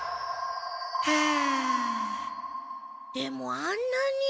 でもあんなに。